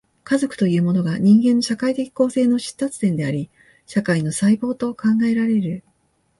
家族というものが、人間の社会的構成の出立点であり、社会の細胞と考えられる。